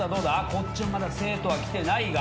こっちもまだ生徒は来てないが。